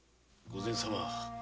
御前様。